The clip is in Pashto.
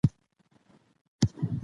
دا وسلې د چا له خوا اخیستل شوي دي؟